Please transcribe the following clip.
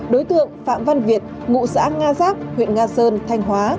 đối tượng phạm văn việt ngụ xã nga giáp huyện nga sơn thanh hóa